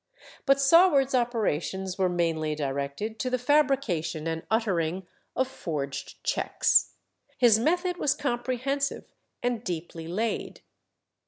But Saward's operations were mainly directed to the fabrication and uttering of forged cheques. His method was comprehensive and deeply laid.